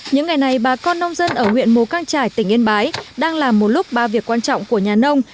những ngày này bà con nông dân ở huyện mù cang trải tỉnh yên bái đang làm một lúc ba việc quan trọng của nhà nông